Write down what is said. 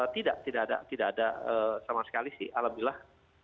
tidak tidak ada sama sekali sih alhamdulillah